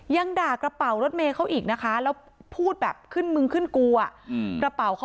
ยังด่ากระเป๋ารถเมตรเขาอีกนะคะแล้วพูดแบบขึ้นมึงขึ้นกลัว